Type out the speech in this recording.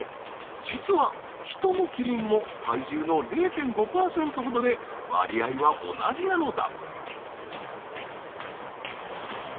実はヒトもキリンも体重の０．５％ほどで割合は同じなのだ。